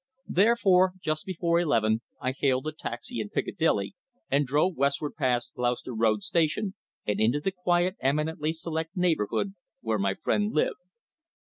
Therefore, just before eleven I hailed a taxi in Piccadilly and drove westward past Gloucester Road Station, and into the quiet, eminently select neighbourhood where my friend lived.